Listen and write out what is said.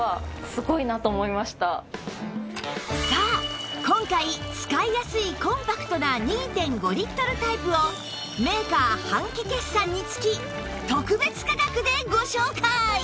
さあ今回使いやすいコンパクトな ２．５ リットルタイプをメーカー半期決算につき特別価格でご紹介！